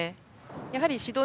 やはり指導